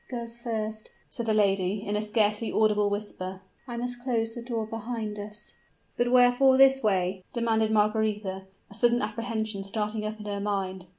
"Go first," said the lady, in a scarcely audible whisper; "I must close the door behind us." "But wherefore this way?" demanded Margaretha, a sudden apprehension starting up in her mind.